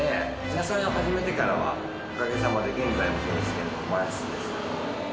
野菜を始めてからはおかげさまで現在もそうですけれど満室です。